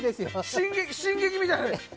「進撃」みたいな。